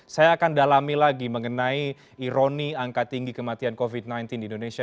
saya akan dalami lagi mengenai ironi angka tinggi kematian covid sembilan belas di indonesia